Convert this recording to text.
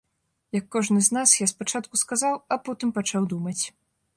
Як кожны з нас, я спачатку сказаў, а потым пачаў думаць.